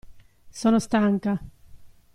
Sono stanca.